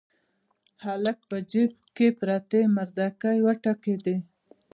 هلک په جيب کې پرتې مردکۍ وټکېدې.